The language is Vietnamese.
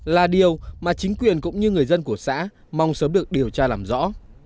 là điều mà chính quyền cũng như người dân của xã mong sớm được điều tra làm rõ